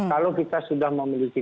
kalau kita sudah memiliki